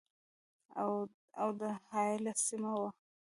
اَوَد حایله سیمه وه.